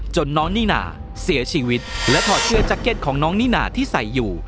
น้องนิน่าเสียชีวิตและถอดเสื้อแจ็คเก็ตของน้องนิน่าที่ใส่อยู่